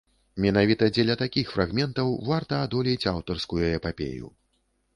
Менавіта дзеля такіх фрагментаў варта адолець аўтарскую эпапею.